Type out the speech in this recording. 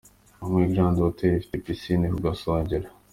Ubumwe Grande Hotel ifite Piscine ku gasongero.